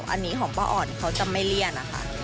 อันนี้ของป้าอ่อนเขาจะไม่เลี่ยนนะคะ